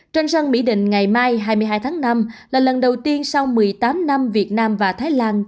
trên sân mỹ đình ngày mai hai mươi hai tháng năm là lần đầu tiên sau một mươi tám năm việt nam và thái lan